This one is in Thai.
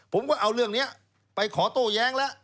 ผมก็เอาเรื่องนี้ไปขอโต้แย้งแล้ว